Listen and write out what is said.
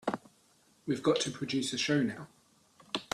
We've got to produce a show now.